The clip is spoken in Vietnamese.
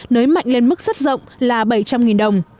nới mạnh lên mức rất rộng là bảy trăm linh đồng